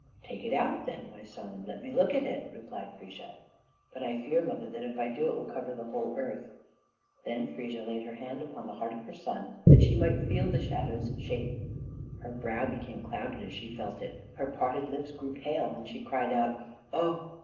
"Take it out, then, my son, and let me look at it," replied Frigga. "But I fear, mother, that if I do it will cover the whole earth." Then Frigga laid her hand upon the heart of her son that she might feel the shadow's shape. Her brow became clouded as she felt it; her parted lips grew pale, and she cried out, "Oh!